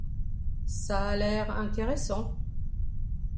Ça a l’air… intéressant.